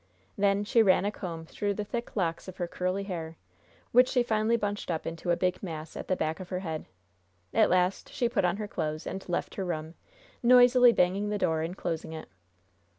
Then she ran a comb through the thick locks of her curly hair, which she finally bunched up into a big mass at the back of her head. At last she put on her clothes, and left her room, noisily banging the door in closing it.